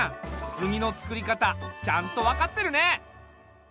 炭のつくり方ちゃんと分かってるね。